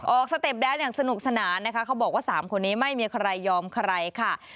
สเต็ปแดนอย่างสนุกสนานนะคะเขาบอกว่า๓คนนี้ไม่มีใครยอมใครค่ะ